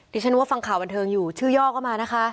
ฉันว่าฟังข่าวบันเทิงอยู่ชื่อย่อก็มานะคะ